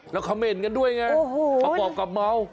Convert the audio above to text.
แล้วคำเมนต์กันด้วยไงประกอบกับเมา